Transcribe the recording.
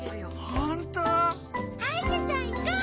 ほんとう！？はいしゃさんいこう！